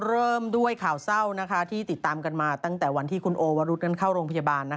เริ่มด้วยข่าวเศร้าที่ติดตามกันมาตั้งแต่วันที่คุณโอวรุษนั้นเข้าโรงพยาบาล